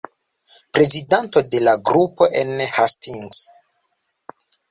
Prezidanto de la grupo en Hastings.